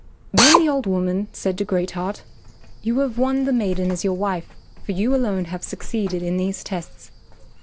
Then the old woman said to Great Heart, "You have won the maiden as your wife, for you alone have succeeded in these tests."